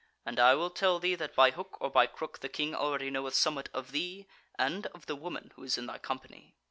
And I will tell thee that by hook or by crook the King already knoweth somewhat of thee and of the woman who is in thy company."